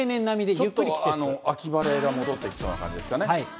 ちょっと秋晴れが戻ってきそうな感じですかね。